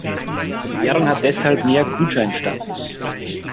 Die Währung hat deshalb mehr Gutschein-Status.